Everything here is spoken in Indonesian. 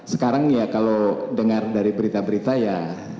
sekarang ya kalau dengar dari berita berita ya